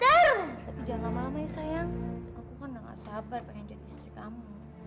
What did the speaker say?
tapi jangan lama lama ya sayang aku kan udah gak sabar pengen jadi istri kamu